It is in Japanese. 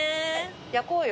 焼こうよ。